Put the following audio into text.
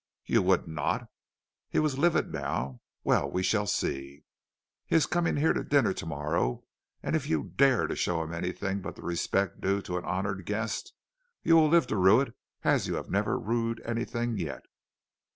"'You would not?' He was livid now. 'Well, we shall see. He is coming here to dinner to morrow, and if you dare to show him anything but the respect due to an honored guest you will live to rue it as you have never rued anything yet.'